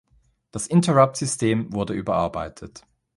Das Interrupt-System wurde überarbeitet.